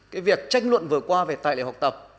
cái việc tranh luận vừa qua về tài liệu học tập